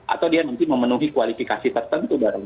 atau dia nanti memenuhi kualifikasi tertentu